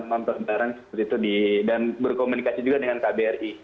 nonton bareng seperti itu dan berkomunikasi juga dengan kbri